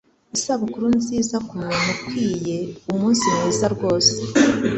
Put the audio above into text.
Isabukuru nziza kumuntu ukwiye umunsi mwiza rwose